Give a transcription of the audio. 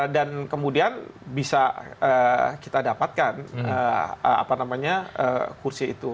dan kemudian bisa kita dapatkan apa namanya kursi itu